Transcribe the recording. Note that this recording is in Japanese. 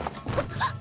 あっ！